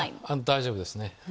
大丈夫ですね。